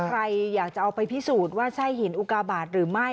ใครอยากจะเอาไปพิสูจน์ว่าใช่หินอุกาบาทหรือไม่